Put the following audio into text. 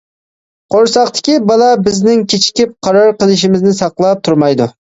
قورساقتىكى بالا بىزنىڭ كېچىكىپ قارار قىلىشىمىزنى ساقلاپ تۇرمايدۇ.